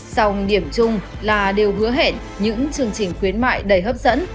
sòng điểm chung là đều hứa hẹn những chương trình khuyến mại đầy hấp dẫn